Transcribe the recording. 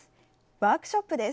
ワークショップです。